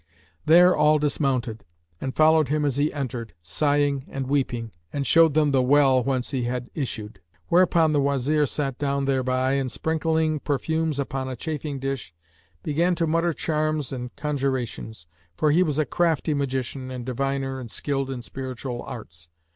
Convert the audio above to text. There all dismounted and followed him as he entered, sighing and weeping, and showed them the well whence he had issued; whereupon the Wazir sat down thereby and, sprinkling perfumes upon a chafing dish, began to mutter charms and conjurations; for he was a crafty magician and diviner and skilled in spiritual arts.